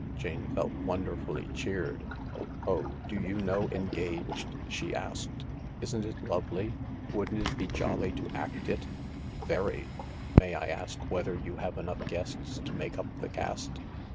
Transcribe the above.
Jane felt wonderfully cheered. " Oh, do you know ' Engaged '?" she asked. " Isn't it lovely ? Wouldn't it be jolly to act it ?" THE LARK 241 " Very. May I ask whether you have enough guests to make up the caste